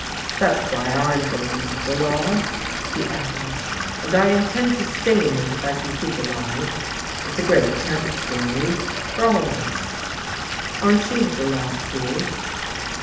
"That's why I am going into the law," he added. "And I intend to stay in it if I can keep alive. It's a great chance for me for all of us. Aren't you at the Law School?"